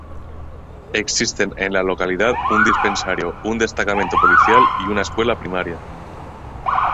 Existen en la localidad un dispensario, un destacamento policial y una escuela primaria.